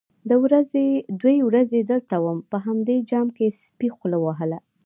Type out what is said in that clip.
_دوې ورځې دلته وم، په همدې جام کې سپي خوله وهله.